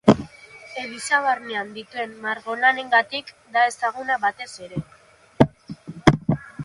Eliza, barnean dituen margolanengatik da ezaguna batez ere.